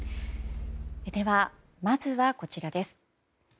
では、まずはこちらです。